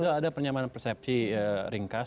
sudah ada penyamanan persepsi ringkas